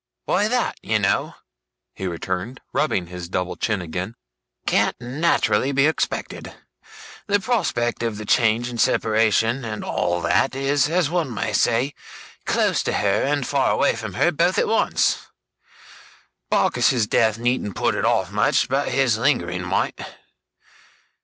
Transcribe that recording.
'Why that, you know,' he returned, rubbing his double chin again, 'can't naturally be expected. The prospect of the change and separation, and all that, is, as one may say, close to her and far away from her, both at once. Barkis's death needn't put it off much, but his lingering might.